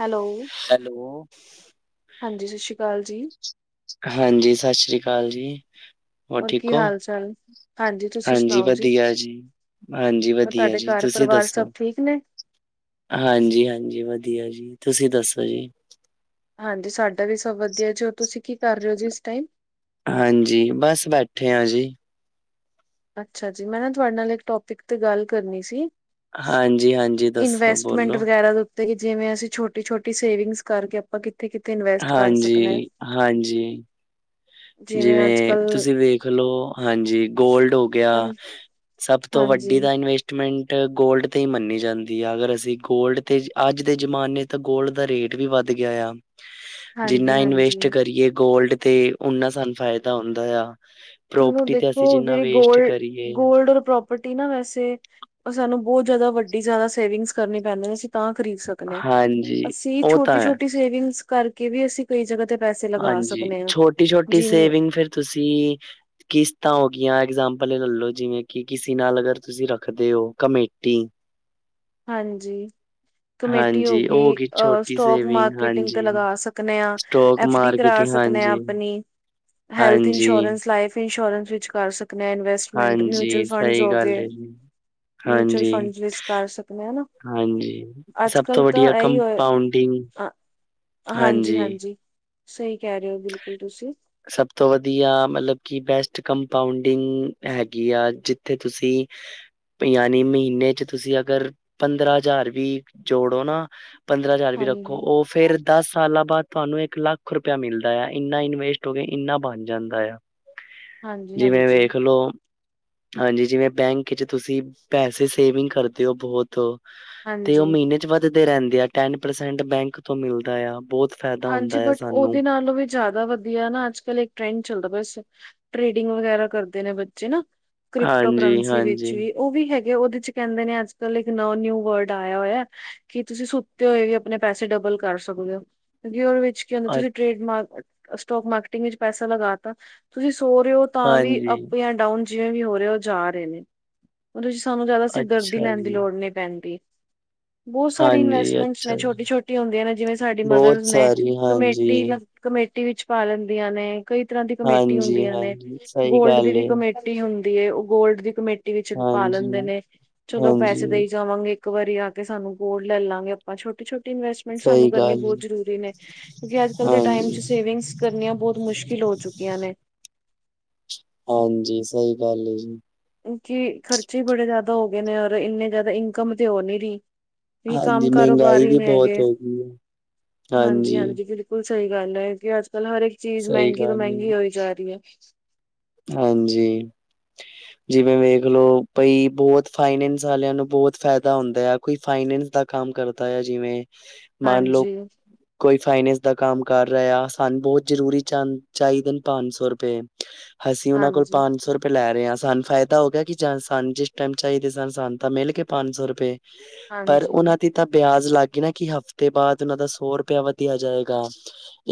Hello hello ਹਾਂਜੀ ਸਤਿ ਸ਼੍ਰੀ ਅਕਾਲ ਜੀ ਹਾਂਜੀ, ਸਤਿ ਸ੍ਰੀ ਅਕਾਲ ਜੀ ਹੋਰ ਔਰ ਠੀਕ ਕੀ ਹੋ, ਹਾਲ ਚਾਲ ਹਾਂਜੀ ਤੁਸੀਂ ਹਾਂਜੀ, ਸੁਣਾਓ ਵਧੀਆ ਜੀ ਹਾਂਜੀ ਔਰ ਵਧੀਆ ਤੁਹਾਡੇ ਜੀ, ਘਰ ਤੁਸੀਂ ਪਰਿਵਾਰ ਸਭ ਦੱਸੋ ਠੀਕ ਨੇ ਹਾਂਜੀ- ਹਾਂਜੀ ਵਧੀਆ ਜੀ, ਤੁਸੀਂ ਦੱਸੋ ਜੀ ਹਾਂਜੀ ਸਾਡਾ ਵੀ ਸਭ ਵਧੀਆ, ਜ ਤੁਸੀਂ ਕੀ ਕਰ ਰਹੇ ਹੋ ਜੀ ਇਸ ਟਾਈਮ ਹਾਂਜੀ, ਬਸ ਬੈਠੇ ਹਾਂ ਜੀ ਅੱਛਾ ਜੀ, ਮੈਂ ਨਾ ਤੁਹਾਡੇ ਨਾਲ ਇੱਕ ਟੋਪਿਕ ਤੇ ਗੱਲ ਕਰਨੀ ਸੀ ਹਾਂਜੀ-ਹਾਂਜੀ, ਦੱਸੋ ਇਨਵੈਸਟਮੈਂਟ ਬੋਲੋ? ਵਗੈਰਾ ਦੇ ਉੱਤੇ, ਜਿਵੇਂ ਅਸੀਂ ਛੋਟੀ- ਛੋਟੀ ਸੇਵਿੰਗਸ ਕਰਕੇ ਆਪਾਂ ਕਿੱਤੇ ਕਿਥਤੇ ਹਾਂਜੀ, ਹਾਂਜੀ, ਅੱਜ ਜਿਵੇਂ, ਕੱਲ ਤੁਸੀਂ ਵੇਖ ਦੇਖਲੋ, ਹਾਂਜੀ, ਗੋਲਡ ਹੋ ਗਿਆ, ਹਾਂਜੀ ਸਭ ਤੋਂ ਹਾਂਜੀ ਵੱਡੀ ਦਾ ਇਨਵੈਸਟ ਇਨਵੈਸਟਮੈਂਟ ਗੋਲਡ ਤੇ ਹੀ ਮੰਨੀ ਜਾਂਦੀ ਹੈ, ਅਗਰ ਅਸੀਂ ਗੋਲਡ ਤੇ ਅੱਜ ਦੇ ਜ਼ਮਾਨੇ ਤਾਂ ਗੋਲਡ ਦਾ ਰੇਟ ਵੀ ਵੱਧ ਗਿਆ ਆ ਹਾਂਜੀ ਜਿੰਨਾ ਇਨਵੈਸਟ ਹਾਂਜੀ ਕਰੀਏ ਗੋਲਡ ਤੇ ਐਨਾ ਸਾਨੂੰ ਫਾਇਦਾ ਹੁੰਦਾ ਆ। ਚਲੋ ਪ੍ਰੋਪਰਟੀ ਤੇ ਦੇਖੋ ਅਸੀਂ ਜਿੰਨਾ ਜੇੜੀ ਵੇਸਟ ਕਰੀਏ ਗੋਲਡ-ਗੋਲਡ ਪ੍ਰੋਪ ਪ੍ਰਟੀ ਨਾ ਵੈਸੇ ਓ ਸਾਨੂੰ ਬਹੁਤ ਜ਼ਿਆਦਾ ਵੱਡੀ ਜ਼ਿਆਦਾ ਸੇਵਿੰਗਸ ਕਰਨੀ ਪੈਂਦੀ ਨੇ ਅਸੀਂ ਤਾਂ ਖਰੀਦ ਸਕਦੇ। ਹਾਂਜੀ, ਅਸੀਂ ਉਹ ਤਾਂ ਹੈ। ਛੋਟੀ-ਛੋਟੀ ਸੇਵਿੰਗਸ ਕਰਕੇ ਵੀ ਅਸੀਂ। ਕਈ ਜਗ੍ਹਾ ਤੇ ਪੈਸੇ ਲਗਾ ਹਾਂਜੀ, ਸਕਦੇ ਆ ਛੋਟੀ-ਛੋਟੀ ਜਿਵੇਂ ਸੇਵਿੰਗ ਫਿਰ ਤੁਸੀਂ ਕਿਸ਼ਤਾਂ ਹੋਗਆਂ ਐਗਜਾਪਲ ਲੈਲੋ ਜਿਵੇਂ ਕਿ ਕਿਸੇ ਨਾਲ ਅਗਰ ਤੁਸੀਂ ਰੱਖਦੇ ਓ ਕਮੇਟੀ ਹਾਂਜੀ। ਕਮੇਟੀ ਹੋ ਹਾਂਜੀ, ਗੀ ਉਹ ਗਈ ਅ ਛੋਟੀ ਸਟੋਕ ਸੇਵਿੰਗ ਮਾਰਕੀਟਿੰਗ ਤੇ ਹਾਂਜੀ। ਲਗਾ ਸਕਦੇ ਹਾਂ। ਸਟੋਕ ਐਫ ਡੀ ਕਰਾ ਮਾਰਕੀਟਿੰਗ ਸਕਦੇ ਆ ਹਾਂਜੀ। ਆਪਣੀ ਹੈਲਥ ਹਾਂਜੀ, ਇੰਸ਼ੋਰੈਂਸ ਲਾਈਫ ਇੰਸ਼ੋਰੈਂਸ ਵਿੱਚ ਕਰ ਸਕਦੇ ਹਾਂ ਇਨਵੈਸਟ ਮਿਊਚਲ ਹਾਂਜੀ ਫੰਡ ਸਹੀ ਗੱਲ ਹੋਗੇ ਹੈ ਜੀ। ਮਿਊਚਲ ਹਾਂਜੀ, ਫੰਡ ਕਰ ਨਾ ਹਾਂਜੀ ਸਭ ਅੱਜਕੱਲ ਤੋਂ ਤਾਂ ਵਧੀਆ ਐਹੀ ਹੋਏ। ਕੰਪਾਊਂਡਿੰਗ ਹਾਂਜੀ, ਹਾਂਜੀ-ਹਾਂਜੀ ਸਈ ਕੈ ਰਹੇ ਓ ਬਿਲਕੁਲ ਤੁਸੀਂ ਸਭ ਤੋਂ ਵਧੀਆ ਮਤਲਬ ਕਿ ਬੈਸਟ ਕੰਪਾਊਂਡਿੰਗ ਹੈਗੀ ਆ ਜਿੱਥੇ ਤੁਸੀਂ ਜਾਨੀ ਚ ਮਹੀਨੇ ਚ ਤੁਸੀਂ ਅਗਰ ਪੰਦਰਾਂ ਹਜ਼ਾਰ ਵੀ ਜੋੜੋ ਨਾ। ਪੰਦਰਾਂ ਹਜ਼ਾਰ ਵੀ ਰੱਖੋ ਹਾਂਜੀ ਓ ਫੇਰ ਦਸ ਸਾਲਾਂ ਬਾਅਦ ਤੁਆਨੂੰ ਇੱਕ ਲੱਖ ਰੁਪਇਆ ਮਿਲਦਾ ਆ ਇੰਨਾ ਇਨਵੇਸਟ ਏਨਾ ਬਣ ਜਾਂਦਾ ਆ ਹਾਂਜੀ ਜਿਵੇਂ ਹਾਂਜੀ ਵੇਖਲੋ। ਹਾਂਜੀ, ਜਿਵੇਂ ਬੈਂਕ ਚ ਤੁਸੀਂ ਪੈਸੇ ਸੇਵਿੰਗ ਕਰਦੇ ਹੋ ਬੋਤ ਤੇਓ ਹਾਂਜੀ ਮੀਨੇ ਚ ਵੱਧਦੇ ਰੈਂਦੇ ਆ ਟੈਨ ਪਰਸੈਂਟ ਬੈਂਕ ਤੋਂ ਮਿਲਦਾ ਆ ਬੋਤ। ਹਾਂਜੀ, ਬਟ ਓਦੇ ਨਾਲੋਂ ਵੀ ਜ਼ਿਆਦਾ ਵਧੀਆ ਨਾ ਅੱਜਕੱਲ੍ਹ ਇੱਕ ਟਰੈਂਡ ਚੱਲਦਾ ਬਸ ਟ੍ਰੇਡਿੰਗ ਵਗੈਰਾ ਕਰਦੇ ਨੇ ਬੱਚੇ ਨਾ। ਕ੍ਰਿਪਟੋ ਹਾਂਜੀ ਕਰੰਸੀ ਹਾਂਜੀ ਵਿੱਚ ਵੀ। ਓ ਵੀ ਹੈਗੇ ਓਦੇ ਚ ਕੈਦੇ ਨੇ ਅੱਜਕਲ੍ਹ ਇੱਕ ਨਵਾਂ ਨਿਊ ਵਰਡ ਆਇਆ ਹੋਇਆ। ਕੀ ਤੁਸੀਂ ਸੁੱਤੇ ਹੋਏ ਵੀ ਆਪਣੇ ਪੈਸੇ ਡਬਲ ਕਰ ਸਕਦੇ ਓ। ਓਦੇ ਵਿੱਚ ਕੀ ਹੁੰਦਾ ਅ ਤੁਸੀਂ ਟ੍ਰੇਡ ਸਟੋਕ ਮਾਰਕੀਟਿੰਗ ਵਿੱਚ ਪੈਸਾ ਲਗਾ ਤਾ ਤੁਸੀਂ ਸੋ ਰਹੇ ਓ। ਤਾਂ ਵੀ ਹਾਂਜੀ ਅਪ ਜਾਂ ਡਾਊਨ ਜਿਵੇਂ ਵੀ ਹੋ ਰਹੇ ਓ ਜਾ ਰਹੇ ਨੇ। ਓਦੇ ਚ‌ ਸਾਨੂੰ ਜ਼ਿਆਦਾ ਸਿਰਦਰਦੀ ਅੱਛਾ ਲੈਣ ਦੀ ਜੀ ਲੋੜ ਨੀ ਪੈਂਦੀ। ਬੋਤ ਸਾਰੀ ਹਾਂਜੀ ਇਨਵੈਸਟਮੈਂਟਸ ਨੇ ਅੱਛਾ ਜੀ ਛੋਟੀ-ਛੋਟੀ ਹੁੰਦੀਆਂ ਨੇ ਜਿਵੇਂ ਸਾਡੀ ਬਹੁਤ ਮੈਂ ਸਾਰੀ ਹਾਂਜੀ ਕਮੇਟੀ- ਕਮੇਟੀ ਵਿੱਚ ਪਾ ਲੈਂਦੀਆਂ ਨੇ। ਕਈ ਤਰ੍ਹਾਂ ਦੀ ਕਮੇਟੀ ਹਾਂਜੀ ਹੁੰਦੀਆਂ ਨੇ ਹਾਂਜੀ ਸਹੀ ਗੋਲਡ ਦੀ ਗੱਲ ਵੀ ਏ ਕਮੇਟੀ ਟੀ ਹੁੰਦੀ ਏ ਓ ਗੋਲਡ ਦੀ ਕਮੇਟੀ ਵਿੱਚ ਪਾ ਹਾਂਜੀ ਲੈਂਦੇ ਨੇ ਚਲੋ ਪੈਸੇ ਹਾਂਜੀ ਦੇਈ ਜਾਵਾਂਗੇ। ਇੱਕ ਵਾਰੀ ਆ ਕੇ ਸਾਨੂੰ ਬੋਲ ਲੈ ਲਾਂਗੇ ਆਪਾਂ ਛੋਟੀ-ਛੋਟੀ ਇਨਵੈਸਟਮੈਂਟ ਸਾਨੂੰ ਸਹੀ ਕਰਨੀ ਗੱਲ ਏ ਬਹੁਤ ਜ਼ਰੂਰੀ ਨੇ ਕਿਉਂਕਿ ਅੱਜਕੱਲ ਦੇ ਟਾਈਮ ਹਾਂਜੀ ਚ ਸੇਵਿੰਗਸ ਕਰਨੀਆਂ ਬੋਤ ਮੁਸ਼ਕਿਲ ਹੋ ਚੁੱਕੀਆਂ ਨੇ। ਹਾਂਜੀ, ਸਹੀ ਗੱਲ ਜੀ। ਕਿਉਂਕਿ ਖਰਚੇ ਈ ਬੜੇ ਜਿਆਦਾ ਹੋ ਗਏ ਨੇ ਔਰ ਏਨੇ ਜ਼ਿਆਦਾ ਇਨਕਮ ਤੇ ਹੋ ਨੀ ਰਹੀ। ਵੀ ਕੰਮ ਹਾਂਜੀ ਕਾਰੋਬਾਰ ਮਹਿੰਗਾਈ ਹੀ ਵੀ ਨੇ ਬਹੁਤ ਐਗੇ ਹੋ ਗਈ ਹੈ ਹਾਂਜੀ ਹਾਂਜੀ-ਹਾਂਜੀ ਬਿਲ ਬਿਲਕੁਲ ਸਹੀ ਗੱਲ ਹੈ ਕਿ ਅੱਜ ਕਲ ਹਰ ਇੱਕ ਚੀਜ਼ ਸਹੀ ਮਹਿੰਗੀ ਤੋਂ ਗੱਲ ਏ ਮਹਿੰਗੀ ਹੋਈ ਜਾ ਰਹੀ ਹੈ। ਹਾਂਜੀ। [unintelligible] ਜਿਵੇਂ ਵੇਖਲਓ ਬਾਈ ਬਹੁਤ ਫਾਈਨੈਂਸ ਵਾਲਿਆਂ ਨੂੰ ਬਹੁਤ ਫਾਇਦਾ ਹੁੰਦਾ ਆ ਕੋਈ ਫਾਈਨੈਂਸ ਦਾ ਕੰਮ ਕਰਦਾ ਹੈ ਜਿਵੇਂ ਮਾਨਲਓ ਹਾਂਜੀ ਕੋਈ ਫਾਈਨੈਂਸ ਦਾ ਕੰਮ ਕਰ ਰਿਹਾ ਸਾਨੂੰ ਬਹੁਤ ਜਰੂਰੀ ਚ ਚਾਹੀਦੇ ਪੰਜ ਸੌ ਰੁਪਏ ਅਸੀਂ ਉਹਨਾਂ ਕੋਲ ਹਾਂਜੀ ਪੰਜ ਸੌਏ ਲੈ ਰਹੇ ਹਾਂ, ਸਾਨੂੰ ਫਾਇਦਾ ਹੋ ਗਿਆ ਕਿ ਸਾਨੂੰ ਜਿਸ ਟਾਈਮ ਚਾਹੀਦੇ ਸਨ। ਸਾਨੂੰ ਤਾਂ ਮਿਲ ਕੇ ਪੰਜ ਸੌ ਰੁਪਏ। ਪਰ ਹਾਂਜੀ ਉਹਨਾਂ ਦੀ ਤਾਂ ਵਿਆਜ ਲੱਗ ਗਏ ਨਾ ਕਿ ਹਫ਼ਤੇ ਬਾਅਦ ਉਹਨਾਂ ਦਾ ਸੌ ਰੁਪਇਆ ਵਧਿਆ ਜਾਏਗਾ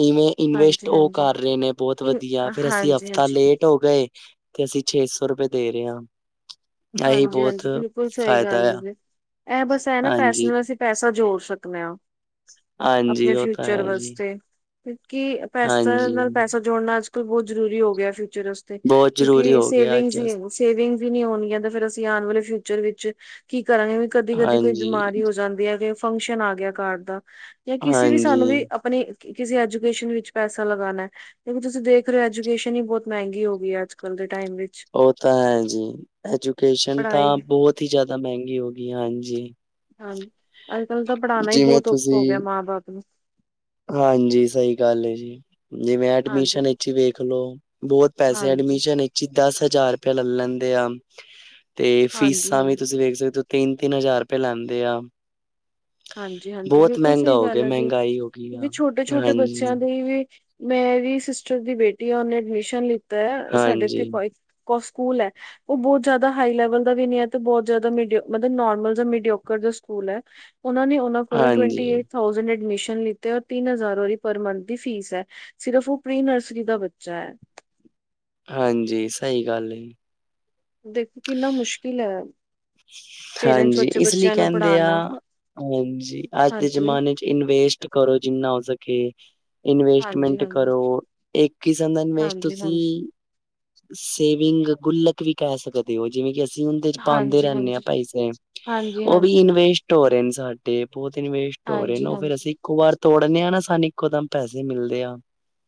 ਇਵੇਂ। ਇਨਵੈਸਟ ਹਾਂਜੀ ਉਹ ਹਾਂਜੀ ਕਰ ਰਹੇ ਨੇ ਬਹੁਤ ਵਧੀਆ ਇਹ- ਫਿਰ ਅਸੀਂ ਹਾਂਜੀ ਹਫਤਾ ਹਾਂਜੀ ਲੇਟ ਹੋ ਗਏ ਤੇ ਅਸੀਂ ਛੇ ਸੌ ਰੁਪਏ ਦੇ ਰਹੇ ਹਾਂ। ਇਹੀ ਹਾਂਜੀ ਬਹੁਤ ਹਾਂਜੀ ਬਿਲਕੁਲ ਸਹੀ ਫਾਇਦਾ ਗੱਲ ਹੈ, ਆ ਜੇ ਇਹ ਬਸ ਇਹ ਨਾ ਪੈਸੇ ਹਾਂਜੀ, ਨੂੰ ਵੈਸੇ ਪੈਸਾ ਜੋੜ ਸਕਦੇ ਆ, ਆਪਣੇ ਹਾਂਜੀ ਉਹ ਤਾਂ ਫਿਊਚਰ ਹੈ ਜੀ। ਵਾਸਤੇ। ਕਿਉਂਕਿ ਪੈਸਾ ਹਾਂਜੀ, ਨਾਲ ਪੈਸਾ ਜੋੜਨਾ ਅੱਜ ਕੱਲ ਬਹੁਤ ਜਰੂਰੀ ਹੋ ਗਿਆ ਫਿਊਚਰ ਬਹੁਤ ਜ਼ਰੂਰੀ ਕਿਉਂਕਿ ਹੋ ਗਿਆ ਸੇਵਿੰਗਸ ਅੱਜ ਹੀ ਸੇਵਿੰਗ ਵੀ ਨੀ ਹੋਣਗੀਆਂ ਤੇ ਫੇਰ ਅਸੀਂ ਆਉਣ ਵਾਲੇ ਫਿਊਚਰ ਵਿੱਚ ਕੀ ਕਰਾਂਗੇ ਕਦੀ ਕਦੀ ਕੋਈ ਹਾਂਜੀ, ਬਿਮਾਰੀ ਹੋ ਜਾਂਦੀ ਹੈ। ਕਿ ਫੰਕਸ਼ਨ ਆ ਗਿਆ ਘਰ ਦਾ, ਜਾਂ ਕਿਸੇ ਵੀ ਸਾਨੂੰ ਵੀ ਹਾਂਜੀ ਆਪਣੀ ਕਿਸੇ ਐਜੂਕੇਸ਼ਨ ਵਿੱਚ ਪੈਸਾ ਲਗਾਉਣਾ। ਲੇਕਿਨ ਤੁਸੀਂ ਦੇਖ ਰਹੇ ਹੋ, ਐਜੂਕੇਸ਼ਨ ਹੀ ਬਹੁਤ ਮਹਿੰਗੀ ਹੋ ਗਈ ਹੈ, ਅੱਜ ਕੱਲ ਦੇ ਟਾਈਮ ਵਿੱਚ। ਉਹ ਤਾਂ ਹੈ ਜੀ, ਐਜੂਕੇਸ਼ਨ ਪੜ੍ਹਾਈ ਤਾਂ ਬਹੁਤ ਹੀ ਜ਼ਿਆਦਾ ਮਹਿੰਗੀ ਹੋ ਗਈ। ਹਾਂਜੀ। ਹਾਂਜੀ, ਅੱਜ ਕੱਲ ਤਾਂ ਪੜ੍ਹਾਉਣਾ ਹੀ ਜਿਵੇਂ ਬਹੁਤ ਔਖਾ ਹੋ ਤੁਸੀਂ ਗਿਆ, ਮਾਂ ਬਾਪ ਨੂੰ। ਹਾਂਜੀ ਸਹੀ ਗੱਲ ਜੀ ਜਿਵੇਂ ਹਾਂਜੀ, ਐਡਮਿਸ਼ਨ ਇਥੇ ਵੇਖ ਲੋ ਬਹੁਤ ਪੈਸੇ ਹਾਂਜੀ, ਐਡਮਿਸ਼ਨ। ਦਸ ਹਜ਼ਾਰ ਰੁਪਇਆ ਲੈ ਲੈਂਦੇ ਆ, ਤੇ ਹਾਂਜੀ, ਫੀਸਾਂ ਵੀ ਹਾਂਜੀ। ਤੁਸੀਂ ਵੇਖ ਸਕਦੇ ਹੋ। ਤਿੰਨ ਤਿੰਨ ਹਜ਼ਾਰ ਰੁਪਏ ਲੈਂਦੇ ਆ। ਹਾਂਜੀ, ਹਾਂਜੀ, ਬਹੁਤ ਬਿਲਕੁਲ ਮਹਿੰਗਾ ਸਹੀ ਹੋ ਗੱਲ ਗਿਆ ਹੈ, ਕਿ ਮਹਿੰਗਾਈ ਹੋ ਗਈ ਕਿਉਂਕਿ ਆ ਛੋਟੇ ਛੋਟੇ ਬੱਚਿਆਂ ਹਾਂਜੀ। ਦੇ। ਵੀ ਮੇਰੀ ਸਿਸਟਰ ਦੀ ਬੇਟੀ ਆ ਉਹਨੇ ਐਡਮਿਸ਼ਨ ਲਿੱਤਾ ਹੈ, ਸਾਡੇ ਹਾਂਜੀ, ਇਥੇ ਕੋ ਸਕੂਲ ਹੈ ਉਹ ਬਹੁਤ ਜਿਆਦਾ ਹਾਈ ਲੈਵਲ ਦਾ ਵੀ ਨਹੀਂ ਹੈ, ਤੇ ਬਹੁਤ ਜਿਆਦਾ ਮ ਮਤਲਬ ਨੋਮਲ ਜਿਹਾ ਮਡੀਓਕਰ ਸ ਸਕੂਲ ਹੈ ਉਹ ਨੇ ਉਨ੍ਹਾਂ ਕੋਲੋਂ ਟੂਵੰਟੀ ਹਾਂਜੀ, ਏਟ ਥਾਉਜੈਂਟ ਐਡਮਿਸਨ ਲੀਤੇ ਰ ਤਿੰਨ ਹਜ਼ਾਰ ਪਰ ਮੰਥ ਦੀ ਫੀਸ ਹੈ। ਸਿਰਫ਼ ਉਹ ਪ੍ਰੀ ਨਰਸਰੀ ਦਾ ਬੱਚਾ ਹੈ। ਹਾਂਜੀ ਸਹੀ ਗੱਲ ਦੇਖੋ ਕਿੰਨਾ ਮੁਸ਼ਕਿਲ ਹੈ ਪੇਰੈਂਟਸ ਹਾਂਜੀ, ਬੱਚੇ ਇਸ ਲਈ ਬੱਚਿਆਂ ਨੂੰ ਕਹਿੰਦੇ ਆ ਪੜ੍ਹਾਣਾ ਹਾਂਜੀ ਅੱਜ ਦੇ ਹਾਂਜੀ, ਜਮਾਨੇ ਚ। ਇਨਵੇਸਟ ਕਰੋ ਜਿੰਨਾ ਹੋ ਸਕੇ ਹਾਂਜੀ, ਇਨਵੈਸਟਮੈਂਟ ਕਰੋ ਹਾਂਜੀ। ਇੱਕ ਕਿਸਮ ਦਾ ਇਨਵੈਸਟ ਹਾਂਜੀ ਤੁਸੀਂ ਹਾਂਜੀ ਸੇਵਿੰਗ ਗੁੱਲਕ ਵੀ ਕਹਿ ਸਕਦੇ ਹੋ ਜਿਵੇਂ ਕਿ ਅਸੀਂ ਉਹਦੇ ਚ ਪਾਂਦੇ ਹਾਂਜੀ ਹਾਂਜੀ ਰਹਿੰਦੇ ਆ ਪੈਸੇ ਹਾਂਜੀ ਹਾਂਜੀ ਉਹ ਵੀ ਹਾਂਜੀ ਇਨਵੇਸਟ ਹੋ ਰਹੇ ਨੇ ਸਾਡੇ, ਬਹੁਤ ਇਨਵੇਸਟ ਟੋਰੇ ਨੂੰ ਫੇਰ ਹਾਂਜੀ ਅਸੀਂ ਇੱਕੋ ਵਾਰ ਤੋੜਨੇ ਹਾਂ ਨਾ ਸਾਨੂੰ ਇੱਕੋਦਮ ਪੈਸੇ ਮਿਲਦੇ ਆ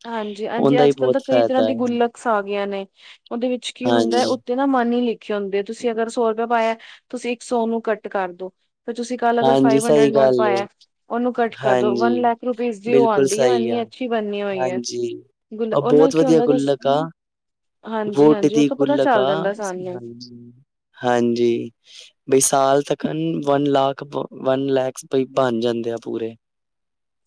ਹਾਂਜੀ ਹਾਂਜੀ ਉਹਦਾ ਹੀ ਅੱਜ ਕੱਲ੍ਹ ਤਾਂ ਬਹੁਤ ਕਈ ਤਰ੍ਹਾਂ ਫਾਇਦਾ ਦੇ ਹੈ। ਗੁਲਕਸ ਆ ਗਈਆਂ ਨੇ ਉਹਦੇ ਵਿੱਚ ਕੀ ਹੁੰਦਾ ਹਾਂਜੀ, ਨਾ ਮਨੀ ਲਿਖੇ ਹੁੰਦੇ ਤੁਸੀਂ ਅਗਰ ਸੌ ਰੁਪਿਆ ਪਾਇਆ ਤੁਸੀਂ ਇੱਕ ਸੌ ਨੂੰ ਕੱਟ ਕਰ ਦੋ। ਫਿਰ ਤੁਸੀਂ ਕੱਲ੍ਹ ਅਗਰ ਹਾਂਜੀ ਫਾਈਵ ਸਹੀ ਹੰਡਰਡ ਨੋਟ ਗੱਲ ਪਾਇਆ ਏ, ਉਹਨੂੰ ਕਟ ਕਰ ਦੋ ਵੰਨ ਹਾਂਜੀ। ਲੱਖ ਰੁਪੀਜ਼ ਦੀ ਉਹ ਆਉਂਦੀ, ਉਹ ਇੰਨੀ ਅੱਛੀ ਬਣਨੀ ਹੋਈ। ਹੈ ਜੀ ਗੁਲ ਉਹ ਨਾਲ ਬਹੁਤ ਕੀ ਵਧੀਆ ਹੁੰਦਾ ਕੁਛ। ਗੁੱਲ ਕ ਆ ਹਾਂਜੀ ਵੋਡ ਹਾਂਜੀ ਉਹ ਦੀ ਤੋਂ ਪਤਾ ਗੁੱਲ ਕ ਚੱਲ ਜਾਂਦਾ ਸਾਨੂੰ ਹਾਂਜੀ, ਬਈ ਸਾਲ ਤੱਕ ਵਨ ਲੱਖ ਵਨ ਲੈਕ ਬਾਈ ਬਣ ਜਾਂਦੇ ਆ ਪੂਰੇ।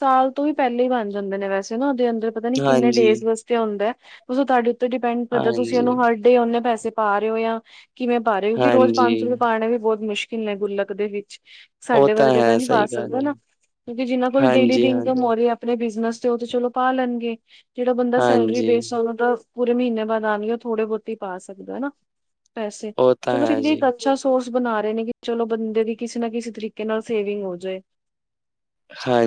ਸਾਲ ਤੋਂ ਵੀ ਪਹਿਲੇ ਹੀ ਬਣ ਜਾਂਦੇ ਨੇ ਵੈਸੇ ਨਾ ਉਹਦੇ ਅੰਦਰ ਪਤਾ ਨੀ ਕਿੰਨੇ ਹਾਂਜੀ, ਡੇਜ ਵਾਸਤੇ ਹੁੰਦਾ। ਸੋ ਤੁਹਾਡੇ ਤੇ ਡਿਪੈਂਡ ਕਰਦਾ ਤੁਸੀਂ ਹਾਂਜੀ, ਉਹਨੂੰ ਹਰਡੇ ਉਹਨੇ ਪੈਸੇ ਪਾ ਰਹੇ ਹੋ ਆ। ਕਿਵੇਂ ਪਾ ਰਹੇ ਹੋ, ਕਿਉਂਕਿ ਰੋਜ਼ ਪੰਜ ਸੌ ਰੁਪਏ ਹਾਂਜੀ। ਪਾਣੇ ਵੀ ਬਹੁਤ ਮੁਸ਼ਕਿਲ ਨੇ ਗੁੱਲਕ ਦੇ ਵਿੱਚ। ਉਹ ਸਾਡੇ ਵਰਗੇ ਤਾਂ ਹੈ ਨਹੀਂ ਪਾ ਸਹੀ ਗੱਲ ਸਕਦਾ ਏ, ਨਾ, ਕਿਉਂਕਿ ਜਿਹਨਾਂ ਕੋਲ ਡੇਲੀ ਦੀ ਹਾਂਜੀ, ਇਨਕਮ ਹੋ। ਹਾਂਜੀ, ਆਪਣੇ ਬਿਜਨਸ ਤੇ ਓ ਤੇ ਚਲੋ ਪਾ ਲੈਣਗੇ ਜਿਹੜਾ ਬੰਦਾ ਸੈਲਰੀ ਬੇਸ ਹਾਂਜੀ। ਆਂਦਾ। ਪੂਰੇ ਮਹੀਨੇ ਬਾਅਦ ਆਣੀ ਆ ਉਹ ਥੋੜੇ ਬਹੁਤੇ ਹੀ ਪਾ ਸਕਦਾ ਹਨਾ ਪੈਸੇ ਉਹ ਤਾਂ ਚਲੋ ਹੈ ਜੀ, [unintelligible] ਅੱਛਾ ਸੋਰਸ ਬਣਾ ਰਹੇ ਨੇ ਕਿ ਚਲੋ ਬੰਦੇ ਦੀ ਕਿਸੇ ਨਾ ਕਿਸੇ ਤਰੀਕੇ ਨਾਲ ਸੇਵਿੰਗ ਹੋਜੇ।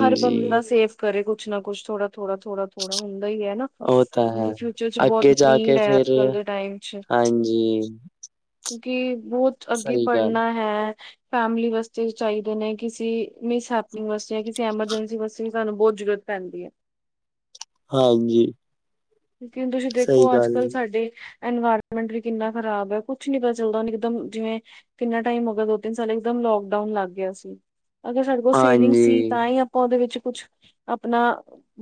ਹਰ ਬੰਦਾ ਸੇਫ ਕਰੇ ਕੁਛ ਨਾ ਕੁਛ ਥੋੜਾ ਥੋੜਾ ਥੋੜਾ ਥੋੜਾ ਹੁੰਦਾ ਈ ਆ ਨਾ। ਉਹ ਤਾਂ ਹੈ। ਫਿਊਚਰ ਚ ਬਹੁਤ ਅੱਗੇ ਜਾ ਕੇ ਨੀਡ ਆ ਅੱਜ ਫਿਰ ਕਲ ਦੇ ਟਾਈਮ ਚ। ਹਾਂਜੀ, ਕਿਉਂਕਿ ਬਹੁਤ ਅੱਗੇ ਸਹੀ ਗੱਲ, ਪੜ੍ਹਨਾ ਹੈ। ਫੈਮਲੀ ਵਾਸਤੇ ਚਾਹੀਦੇ ਨੇ ਕਿਸੇ ਮਿਸ ਹੈਪਨਿੰਗ ਵਾਸਤੇ ਜਾਂ ਕਿਸੇ, ਐਮਰਜੈਂਸੀ ਵਾਸਤੇ ਵੀ ਸਾਨੂੰ ਬਹੁਤ ਜ਼ਰੂਰਤ ਪੈਂਦੀ ਐ। ਹਾਂਜੀ। ਕਿਉਂਕਿ ਹੁਣ ਤੁਸੀਂ ਸਹੀ ਦੇਖੋ ਅੱਜ ਗੱਲ ਕੱਲ੍ਹ ਏ, ਸਾਡੇ ਇਨਵਾਇਰਮੈਂਟ ਵੀ ਕਿੰਨਾ ਖ਼ਰਾਬ ਆ ਕੁਛ ਨੀ ਪਤਾ ਚਲਦਾ ਹੁਣ ਇਕਦੱਮ ਜਿਵੇਂ ਕਿੰਨਾ ਟਾਈਮ ਹੋ ਗਿਆ ਦੋ ਤਿੰਨ ਸਾਲ ਇਕਦੱਮ ਲੋਕਡਾਊਨ ਲੱਗ ਗਿਆ ਸੀ ਅਗਰ ਸਾਡੇ ਕੋਲ ਸੇਵਿੰਗ ਸੀ ਹਾਂਜੀ। ਤਾਂ ਹੀ ਆਪਾਂ ਓਹਦੇ ਵਿੱਚ ਕੁਛ ਆਪਣਾ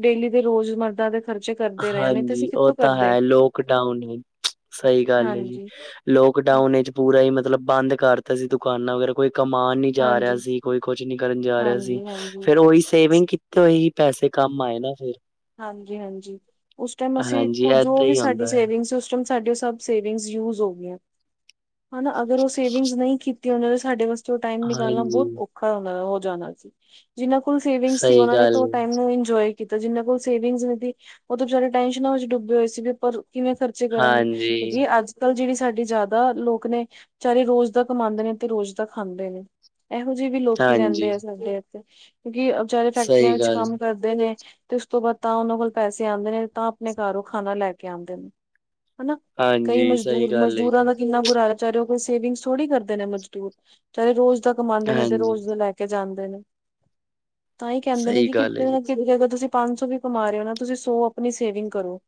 ਡੇਲੀ ਦੇ ਰੋਜ਼ ਮਰਦਾ ਦੇ ਖਰਚੇ ਕਰਦੇ ਰਹੇ ਨੇ। ਤੇ ਅਸੀਂ ਜੀ ਉਹ ਕਿੱਥੋਂ ਤਾਂ ਕਰਦੇ ਹੈ ਲੋਕਡਾਊਨ ਸਹੀ ਗੱਲ ਐ ਜੀ। ਹਾਂਜੀ ਲੋਕਡਾਊਨ ਵਿੱਚ ਪੂਰਾ ਹੀ ਮਤਲਬ ਬੰਦ ਕਰਤਾ ਸੀ ਦੁਕਾਨਾਂ ਵਗੈਰਾ ਕੋਈ ਕਮਾਣ ਨੀ ਜਾ ਰਿਹਾ ਹਾਂਜੀ ਸੀ ਕੋਈ ਕੁਛ ਨੀ ਕਰਨ ਜਾ ਰਿਹਾ ਸੀ ਹਾਂਜੀ ਹਾਂਜੀ ਫੇਰ ਉਹੀ ਸੇਵਿੰਗ ਤੇ ਉਹੀ ਪੈਸੇ ਕੰਮ ਆਏ ਨਾ ਫੇਰ ਹਾਂਜੀ ਹਾਂਜੀ ਉਸ ਟਾਈਮ ਅਸੀਂ ਹਾਂਜੀ ਕੁੱ ਜੋ ਏਦਾਂ ਵੀ ਹੀ ਸਾਡੀ ਹੁੰਦਾ ਹੈ ਸੇਵਿੰਗ ਇਕਦੱਮ ਓ ਸੇਵਿੰਗਸ ਯੂਜ ਹੋ ਗਈਆਂ ਹਨਾ ਅਗਰ ਸੇਵਿੰਗਸ ਨਹੀਂ ਕੀਤੀ ਉਹਨਾਂ ਦਾ ਸਾਡੇ ਵਾਸਤੇ ਉਹ ਟਾਈਮ ਨਿਕਾਲਣਾ ਹਾਂਜੀ ਬਹੁਤ ਔਖਾ ਹੋ ਹੋ ਜਾਣਾ ਸੀ। ਜਿੰਨਾਂ ਕੋਲ ਸੇਵਿੰਗ ਸੀ ਸਹੀ ਉਹਨਾਂ ਨੇ ਤਾਂ ਗੱਲ ਓ ਏ। ਟਾਈਮ ਨੂੰ ਇੰਜੋਏ ਕੀਤਾ ਜਿੰਨਾ ਕੋਲ ਸੇਵਿੰਗਸ ਸੀ ਨੀ ਦੀ ਉਹ ਤਾਂ ਵਿਚਾਰੇ ਟੈਸ਼ਨਾਂ ਵਿੱਚ ਡੁੱਬੇ ਹੋਏ ਸੀ ਵੀ ਪਰ ਕਿਵੇਂ ਖਰਚੇ ਕਰਾਂਗੇ ਹਾਂਜੀ ਕਿਉਂਕਿ ਅੱਜ ਕੱਲ ਜਿਹੜੀ ਸਾਡੀ ਜ਼ਿਆਦਾ ਲੋਕ ਨੇ ਵਿਚਾਰੇ ਰੋਜ਼ ਦਾ ਕਮਾਂਦੇ ਨੇ ਤੇ ਰੋਜ਼ ਦਾ ਖਾਂਦੇ ਨੇ। ਇਹੋ ਜਿਹੇ ਵੀ ਲੋਕੀ ਰਹਿੰਦੇ ਹਾਂਜੀ ਆ ਸਾਡੇ ਇੱਥੇ ਕਿਉਂਕਿ ਵਿਚਾਰੇ ਫੈਕਟਰੀਆਂ ਸਹੀ ਵਿੱਚ ਗੱਲ ਕੰਮ ਕਰਦੇ। ਨੇ ਤੇ ਉਸ ਤੋਂ ਬਾਅਦ ਤਾਂ ਉਹਨਾਂ ਕੋਲ ਪੈਸੇ ਆਂਦੇ ਨੇ ਤਾਂ ਆਪਣੇ ਘਰ ਉਹ ਖਾਣਾ ਲੈ ਕੇ ਆਂਦੇ ਨੇ। ਹਨਾ ਕਈ ਹਾਂਜੀ ਸਹੀ ਮਜ਼ਦੂਰ ਗੱਲ ਹੈ ਜੀ ਮਜ਼ਦੂਰਾਂ ਦਾ ਕਿੰਨਾ ਬੁਰਾ ਹਾਲ, ਵਿਚਾਰੇ ਉਹ ਕੋਈ ਸੇਵਿੰਗਸ ਥੋੜੀ ਕਰਦੇ ਨੇ ਮਜ਼ਦੂਰ ਵਿਚਾਰੇ ਰੋਜ਼ ਦਾ ਕਮਾਂਦੇ ਨੇ ਤੇ ਹਾਂਜੀ ਰੋਜ਼ ਦਾ ਲੈ ਕੇ ਜਾਂਦੇ ਨੇ ਤਾਂ ਹੀ ਕਹਿੰਦੇ ਨੇ ਸਹੀ ਕਿ ਗੱਲ ਕਿਤੇ ਹੈ ਜੀ ਨਾ ਕਿਤੇ ਤਾਂ ਤੁਸੀਂ ਪੰਜ ਸੌ ਵੀ ਕਮਾ ਰਹੇ ਹੋ ਨਾ ਤੁਸੀਂ ਸੋ ਆਪਣੀ ਸੇਵਿੰਗ ਕਰੋ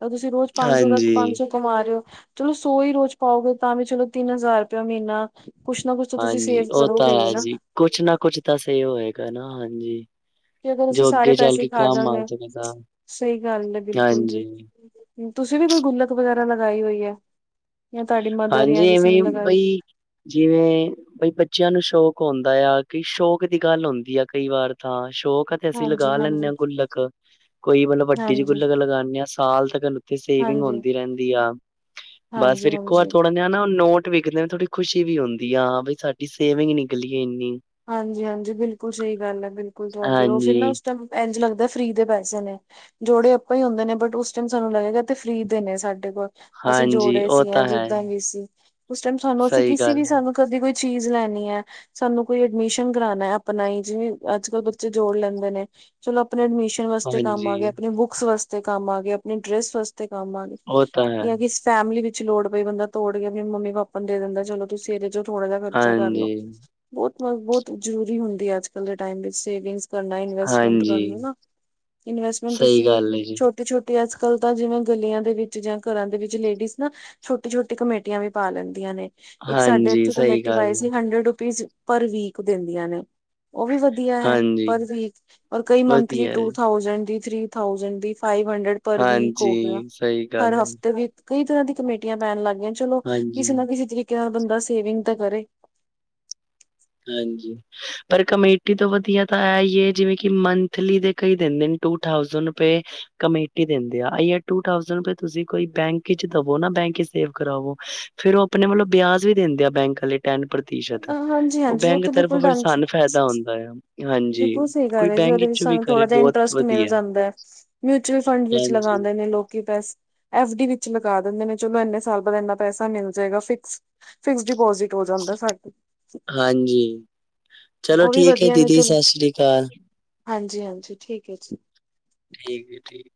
ਤਾਂ ਤੁਸੀਂ ਰੋਜ਼ ਪੰਜ ਸੌ ਤ ਪੰਜ ਹਾਂਜੀ ਸੌ ਕਮਾ ਰੇ ਓ ਚਲੋ ਸੌ ਹੀ ਰੋਜ਼ ਪਾਓਗੇ ਤਾਂ ਵੀ ਚਲੋ ਤਿੰਨ ਹਜ਼ਾਰ ਰੁਪਇਆ ਮਹੀਨਾ। ਕੁਛ ਨਾ ਕੁਛ ਤਾਂ ਤੁਸੀਂ ਹਾਂਜੀ ਸੇਵ ਉਹ ਤਾਂ ਕਰੋਗੇ ਈ ਹੈ ਨਾ। ਜੀ ਕੁਛ ਨਾ ਕੁਛ ਤਾਂ ਸੇਵ ਹੋਏਗਾ ਨਾ ਹਾਂਜੀ। ਕਿ ਅਗਰ ਅਸੀਂ ਜੋ ਸਾਰੇ ਅੱਗੇ ਚੱਲ ਪੈਸੇ ਕੇ ਕੰਮ ਆ ਖਾਜਾਗੇ ਸਕਦਾ ਸਹੀ ਗੱਲ ਐ ਬਿਲਕੁਲ ਜੀ। ਹਾਂਜੀ ਤੁਸੀਂ ਵੀ ਕੋਈ ਗੁੱਲਕ ਵਗੈਰਾ ਲਗਾਈ ਹੋਈ ਐ ਜਾਂ ਤੁਹਾਡੀ ਮਦਰ ਹਾਂਜੀ ਜਾਂ ਕਿਸੇ ਇਵੇਂ ਨੇ ਲਗਾਈ ਬਈ ਜਿਵੇਂ ਬਈ ਬੱਚਿਆਂ ਨੂੰ ਸ਼ੌਕ ਹੁੰਦਾ ਆ ਕਿ ਸ਼ੌਕ ਦੀ ਗੱਲ ਹੁੰਦੀ ਆ ਕਈ ਵਾਰ ਤਾਂ ਸ਼ੌਕ ਅਸੀਂ ਹਾਂਜੀ ਲਗਾ ਹਾਂਜੀ ਲੈਣੇ ਆ ਗੁੱਲਕ ਕੋਈ ਮਤਲਬ ਵੱਡੀ ਜਿਹੀ ਹਾਂਜੀ, ਗੁੱਲਕ ਲਗਾਣੇ ਆ ਸਾਲ ਤੱਕ ਸੇਵਿੰਗ ਹਾਂਜੀ, ਹੁੰਦੀ ਰਹਿੰਦੀ ਆ ਬਸ ਹਾਂਜੀ, ਫਿਰ ਇੱਕੋ ਵਾਰ ਹਾਂਜੀ। ਥੋੜਾ ਨਾ ਨੋਟ ਵਿਕਦੇ ਥੋੜੀ ਖੁਸ਼ੀ ਵੀ ਹੁੰਦੀ ਆ ਵੀ ਹਾਂ ਸਾਡੀ ਸੇਵਿੰਗ ਨਿਕਲੀਏ ਇੰਨੀ ਹਾਂਜੀ ਹਾਂਜੀ, ਬਿਲਕੁਲ ਸਹੀ ਗੱਲ ਐ ਬਿਲਕੁਲ ਤੁਹਾਡੀ ਉਹ ਫਿਰ ਨਾ ਹਾਂਜੀ ਉਸ ਟਮ ਇੰਝ ਲੱਗਦਾ ਫਰੀ ਦੇ ਪੈਸੇ ਨੇ ਜੋੜੇ ਆਪਾਂ ਹੀ ਹੁੰਦੇ ਨੇ ਬਟ ਉਸ ਟਾਈਮ ਸਾਨੂੰ ਲੱਗੇਗਾ ਤੇ ਫ੍ਰਰੀ ਦੇ ਨੇ ਸਾਡੇ ਕੋਲ ਅਸੀਂ ਹਾਂਜੀ ਜੋੜੇ ਉਹ ਸੀ ਜਾਂ ਤਾਂ ਹੈ ਜਿੱਦਾਂ ਵੀ ਸੀ ਉਸ ਟਾਈਮ ਸਾਨੂੰ ਅਸੀਂ ਸਹੀ ਕਿਸੇ ਗੱਲ ਵੀ ਹੈ। ਸਾਨੂੰ ਕਦੇ ਕੋਈ ਚੀਜ਼ ਲੈਣੀ ਐ ਸਾਨੂੰ ਕੋਈ ਐਡਮਿਸ਼ਨ ਕਰਾਣਾ ਆਪਣਾ ਹੀ ਜਿਵੇਂ ਅੱਜ ਕੱਲ੍ਹ ਬੱਚੇ ਜੋੜ ਲੈਂਦੇ ਨੇ ਚਲੋ ਆਪਣੀ ਐਡਮਿਸ਼ਨ ਵਾਸਤੇ ਕੰਮ ਆ ਹਾਂਜੀ ਗਏ ਆਪਣੇ ਬੁੱਕਸ ਵਾਸਤੇ ਕੰਮ ਆ ਗਏ ਆਪਣੇ ਡਰੈਸ ਵਾਸਤੇ ਕੰਮ ਆ ਗਏ ਉਹ ਤਾਂ ਹੈ ਜਾਂ ਕਿ ਫੈਮਿਲੀ ਵਿੱਚ ਲੋੜ ਪਈ, ਬੰਦਾ ਤੋੜ ਗਿਆ ਵੀ, ਮੰਮੀ ਪਾਪਾ ਨੂੰ ਦੇ ਦਿੰਦਾ, ਚਲੋ ਤੁਸੀਂ ਇਹਦੇ ਚ ਥੋੜਾ ਜਿਹਾ ਖਰਚਾ ਕਰਲ ਲੋ, ਹਾਂਜੀ ਬਹੁਤਬ, ਬਹੁਤ ਜਰੂਰੀ ਹੁੰਦੀ ਹੈ, ਅੱਜ ਕੱਲ ਦੇ ਟਾਈਮ ਵਿੱਚ ਸੇਵਿੰਗਸ। ਕਰਨਾ, ਇਨਵੈਸਟਮੈਂਟ ਹਾਂਜੀ ਕਰਨ ਨਾ, ਇਨਵੈਸਟਮੈਂਟ ਸਹੀ ਤੁਸੀਂ ਗੱਲ ਹੈ ਜੀ, ਛੋ ਛੋਟੀ, ਅੱਜ ਕੱਲ ਤਾਂ ਜਿਵੇਂ ਗਲੀਆਂ ਦੇ ਵਿੱਚ ਜਾਂ ਘਰਾਂ ਦੇ ਵਿੱਚ ਲੇਡੀਜ਼ ਨਾ ਛੋਟੀ-ਛੋਟੀ ਕਮੇਟੀਆਂ ਵੀ ਪਾ ਲੈਂਦੀਆਂ ਨੇ, ਇੱਕ ਸਾਡੇ ਹਾਂਜੀ ਇੱਥੇ ਸਹੀ ਕਮੇਟੀ ਪਾਾਈ ਗੱਲ ਹੈ, ਸੀ, ਹੰਡਰਡ ਰੁਪੀਜ਼ ਪਰ ਵੀਕ ਦਿੰਦੀਆਂ ਨੇ। ਉਹ ਵੀ ਵਧੀਆ ਹੈ, ਹਾਂਜੀ ਪਰ ਵੀਕ ਚ ਕਈ ਮੰਥਲੀ ਵਧੀਆ ਟੂ- ਜੀ, ਥਠਾਉਸੈਂਡ ਦੀ ਥੱਰੀ ਥਾਉਜੈਂਡ ਵੀ ਫਾਈਵ ਹੰਡਰਡ, ਪਰ ਵੀਕ ਹੋ ਗਿਆ ਹਾਂਜੀ ਸਹੀ ਗੱਲ ਹਰ ਹੈ, ਹਫ਼ਤੇ ਵੀ ਕਈ ਤਰ੍ਹਾਂ ਦੀਆਂ ਕਮੇਟੀਆਂ ਪੈਣ ਲੱਗ ਗਈਆਂ, ਚਲੋ ਹਾਂਜੀ, ਕਿਸੇ ਨਾ ਕਿਸੇ ਤਰੀਕੇ ਨਾਲ, ਬੰਦਾ ਸੇਵਿੰਗ ਤਾਂ ਕਰੇ। ਹਾਂਜੀ। ਪਰ ਕਮੇਟੀ ਤੋਂ ਵਧੀਆ ਤਾਂ ਐ ਈ ਏ, ਜਿਵੇਂ ਕਿ ਮੰਥਲੀ ਦੇ ਕਈ ਦਿੰਦੇ ਟੂ ਠਾਉਸੈਂਡ ਰੁਪਏ। ਕਮੇਟੀ ਦਿੰਦੇ ਆ, ਅਈ ਅ ਟੂ ਥਸਡ ਤੁਸੀਂ ਕੋਈ ਬੈਂਕ ਵਿਚ ਦਵੋ ਨਾ, ਬੈਂਕ ਵਿਚ ਸੇਵ ਕਰਾਵੋ। ਫੇਿਰ ਉਹ ਆਪਣੇ ਵਲੋਂ ਵਿਆਜ ਵੀ ਦਿੰਦੇ ਆ, ਬੈਂਕ ਆਲੇ ਟੈਨ ਪ੍ਰਤੀਸ਼ਤ। ਹਾਂਜੀ ਉਹ ਹਾਂਜੀ, ਬੈਂਕ ਉੱਥੇ ਤਰਫੋਂ ਬਿਲਕੁਲ ਫਿਰ ਡੰ, ਸਾਨੂੰ ਫਾਇਦਾ ਹੁੰਦਾ ਆ ਹਾਂਜੀ ਬਿਲਕੁਲ ਸਹੀ ਕੋਈ ਕਰਦੇ ਜੀ, ਬੈਂਕ ਉਹਦੇ ਵਿੱਚ ਵਿੱਚੋਂ ਵੀ ਸਾਨੂੰ ਕਰੇ ਥੋੜਾ ਟਾਈਮ ਬਹੁਤ ਟਸਟ ਮਿਲ ਵਧੀਆ ਜਾਂਦਾ ਹੈ, ਮਿਊਚੁਅਲ ਫੰਡ ਵਿੱਚ ਹਾਂਜੀ, ਲਗਾਉਂਦੇ ਨੇ ਲੋਕੀ ਪੈਸੇ ਐਫ ਡੀ ਵਿੱਚ ਲਗਾ ਦਿੰਦੇ ਨੇ, ਚਲੋ ਇੰਨੇ ਸਾਲ ਬਾਅਦ ਇੰਨਾ ਪੈਸਾ ਮਿਲ ਜਾਏਗਾ ਫਿਕਸ। ਫਿਕਸ ਡਿਪੋਜਿਟ ਹੋ ਜਾਂਦਾ ਸਾਡੇ। ਹਾਂਜੀ, ਚਲੋ ਉਹ ਵੀ ਠੀਕ ਹੈ ਵਧੀਆ ਨੇ ਦੀਦੀ, ਚਲੋ ਸਤਿ ਸ੍ਰੀ ਅਕਾਲ। ਹਾਂਜੀ, ਹਾਂਜੀ ਠੀਕ ਹੈ ਜੀ। ਠੀਕ ਹੈ, ਠੀਕ।